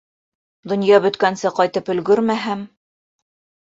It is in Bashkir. Донъя бөткәнсе ҡайтып өлгөрмәһәм...